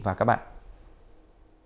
hẹn gặp lại các bạn trong những video tiếp theo